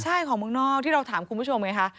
ใช่ของเมืองนอกที่เราถามคุณผู้ชมไงคะ